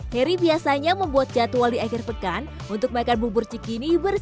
heri biasanya membuat jadwal di akhir pekan untuk makan bubur cikini